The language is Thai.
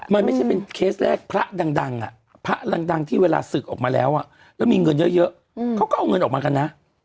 มันไม่ใช่เป็นเคสแรกพระดังพระดังที่เวลาศึกออกมาแล้วแล้วมีเงินเยอะเขาก็เอาเงินออกมากันนะ